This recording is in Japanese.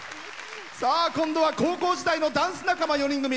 今度は高校時代のダンス仲間４人組。